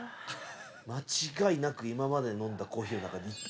間違いなく今まで飲んだコーヒーの中で。